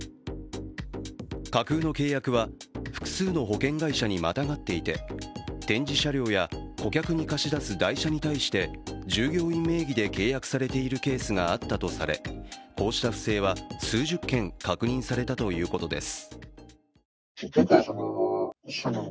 架空の契約は、複数の保険会社にまたがっていて、展示車両や顧客に貸し出す代車に対して従業員名義で契約されているケースがあったとされ、こうした不正は数十件確認されたということです。